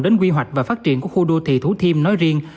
đến quy hoạch và phát triển của khu đô thị thủ thiêm nói riêng